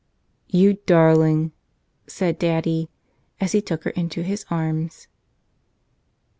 "You darling!" said daddy, as he took her into his arms.